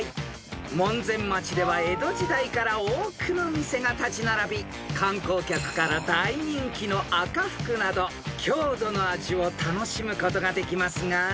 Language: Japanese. ［門前町では江戸時代から多くの店が立ち並び観光客から大人気の赤福など郷土の味を楽しむことができますが］